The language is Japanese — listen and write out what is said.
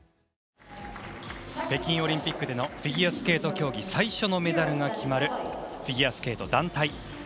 北京オリンピックでのフィギュアスケート競技最初のメダルが決まるフィギュアスケート団体。